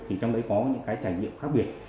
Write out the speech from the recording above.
thì trong đấy có những cái trải nghiệm khác biệt